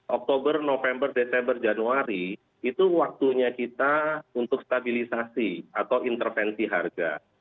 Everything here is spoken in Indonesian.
oktober november desember januari itu waktunya kita untuk stabilisasi atau intervensi harga